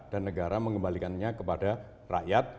dan negara mengembalikannya kepada rakyat